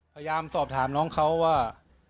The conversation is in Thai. พยายามสอบถามน้องเขาว่า